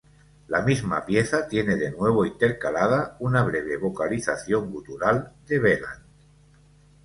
La misma pieza tiene de nuevo intercalada una breve vocalización gutural de Veland.